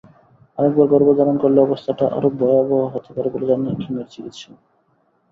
আরেকবার গর্ভধারণ করলে অবস্থাটা আরও ভয়াবহ হতে পারে বলে জানিয়েছেন কিমের চিকিৎসক।